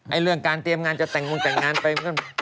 ไอ้เรื่องการเตรียมงานจากแต่งงงแต่งงานไป